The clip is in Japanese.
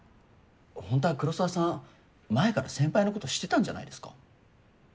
本当は黒澤さん前から先輩のこと知ってたんじゃないですか？